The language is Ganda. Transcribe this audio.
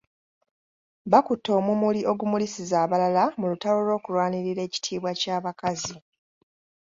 Bakutte omumuli ogumulisiza abalala mu lutalo olw’okulwanirira ekitiibwa ky’abakazi .